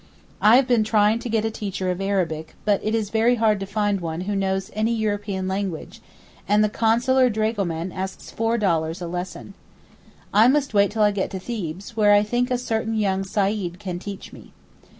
I have been trying to get a teacher of Arabic, but it is very hard to find one who knows any European language, and the consular dragoman asks four dollars a lesson. I must wait till I get to Thebes, where I think a certain young Said can teach me.